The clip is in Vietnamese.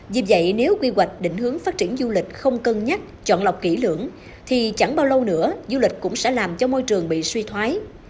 vì vậy nếu quy hoạch định hướng phát triển du lịch không cân nhắc chọn lọc kỹ lưỡng thì chẳng bao lâu nữa du lịch cũng sẽ làm cho môi trường bị suy thoái